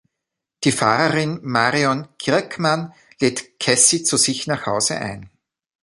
Die Fahrerin Marion Kirkman lädt Cassie zu sich nach Hause ein.